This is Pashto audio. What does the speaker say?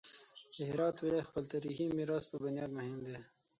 د هرات ولایت د خپل تاریخي میراث په بنیاد مهم دی.